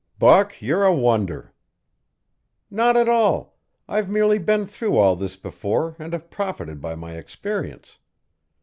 "Buck, you're a wonder." "Not at all. I've merely been through all this before and have profited by my experience.